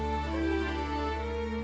saya minum air saja